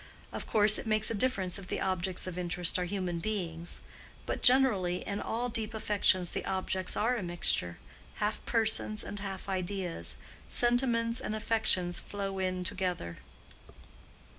Of course, it makes a difference if the objects of interest are human beings; but generally in all deep affections the objects are a mixture—half persons and half ideas—sentiments and affections flow in together."